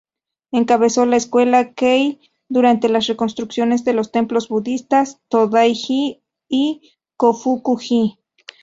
Encabezó la Escuela Kei durante las reconstrucciones de los templos budistas Tōdai-ji y Kōfuku-ji.